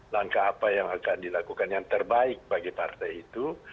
langkah apa yang akan dilakukan yang terbaik bagi partai itu